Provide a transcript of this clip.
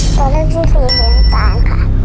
สีเหมือนจานค่ะ